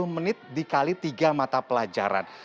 tiga puluh menit dikali tiga mata pelajaran